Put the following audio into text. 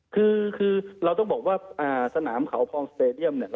คือเราต้องบอกว่าสนามเขาพรองสเตรเดียม